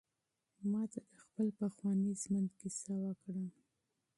ما ته د خپل پخواني ژوند کیسه وکړه.